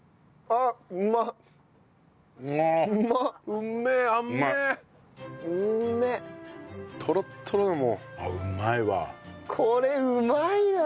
あっうまいわ。